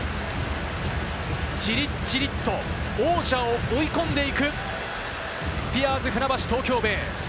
じりじりと王者を追い込んでいくスピアーズ船橋・東京ベイ。